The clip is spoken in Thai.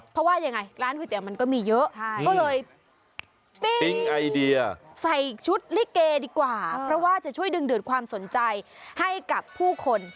เพราะว่ายังไงร้านก๋วยเตี๋ยมันก็มีเยอะก็เลยปิ้งไอเดียใส่ชุดลิเกดีกว่าเพราะว่าจะช่วยดึงดูดความสนใจให้กับผู้คน